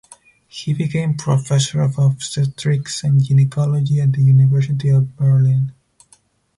He became Professor of Obstetrics and Gynaecology at the University of Berlin.